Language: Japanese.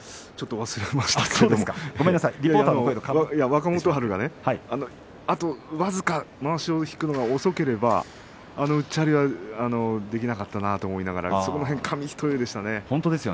若元春があと僅かまわしを引くのが遅ければあのうっちゃりはできなかったかなと思いながらその辺は紙一重でしたね。